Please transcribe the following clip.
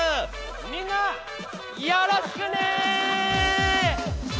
みんなよろしくね！